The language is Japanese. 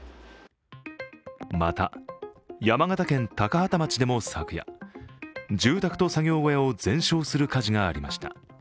また、山形県高畠町でも昨夜、住宅と作業小屋を全焼する火事がありました。